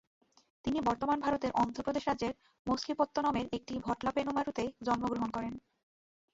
তিনি বর্তমানে ভারতের অন্ধ্রপ্রদেশ রাজ্যের মছলিপত্তনমের নিকটে ভাটলাপেনুমারুতে জন্মগ্রহণ করেন।